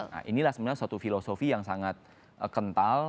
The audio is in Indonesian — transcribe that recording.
nah inilah sebenarnya suatu filosofi yang sangat kental